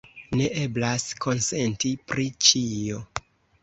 Ne eblas konsenti pri ĉio.